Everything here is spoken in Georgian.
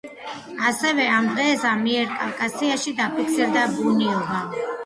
ასევე, ამ დღეს ამიერკავკასიაში დაფიქსირდა ბუნიობა.